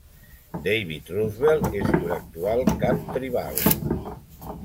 David Roosevelt és llur actual cap tribal.